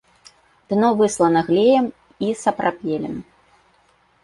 Дно выслана глеем і сапрапелем.